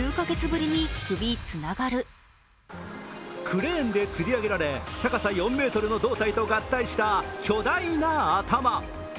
クレーンでつり上げられ、高さ４ｍの胴体と合体した巨大な頭。